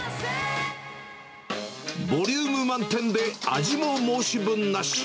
ボリューム満点で味も申し分なし。